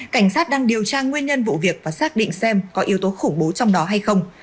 cảnh sát đang điều tra nguyên nhân vụ việc và xác định xem có yếu tố khủng bố trong đó hay không